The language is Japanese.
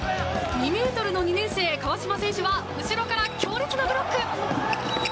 ２ｍの２年生、川島選手は後ろから強烈なブロック。